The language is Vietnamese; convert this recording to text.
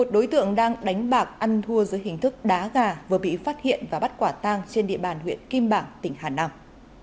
một đối tượng đang đánh bạc ăn thua dưới hình thức đá gà vừa bị phát hiện và bắt quả tang trên địa bàn huyện kim bảng tỉnh hà nam